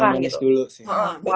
yang manis dulu sih